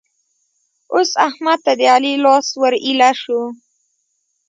اوس احمد ته د علي لاس ور ايله شو.